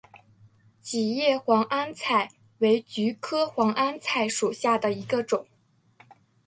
戟叶黄鹌菜为菊科黄鹌菜属下的一个种。